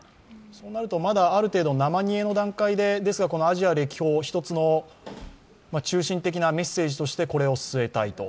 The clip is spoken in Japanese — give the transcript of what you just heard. そうなると、まだある程度、生煮えの段階で、アジア歴訪をこれを中心的なメッセージとしてこれを据えたいと。